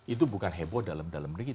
itu bukan heboh dalam negeri